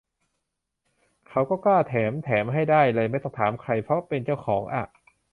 เขาก็กล้าแถม แถมให้ได้เลยไม่ต้องถามใคร เพราะเป็นเจ้าของอะ